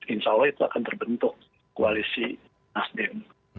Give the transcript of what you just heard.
insya allah itu akan terbentuk koalisi nasdem